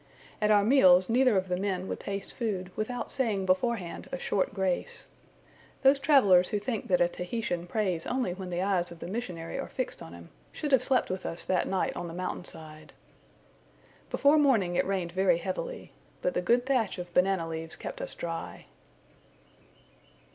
At our meals neither of the men would taste food, without saying beforehand a short grace. Those travellers who think that a Tahitian prays only when the eyes of the missionary are fixed on him, should have slept with us that night on the mountain side. Before morning it rained very heavily; but the good thatch of banana leaves kept us dry.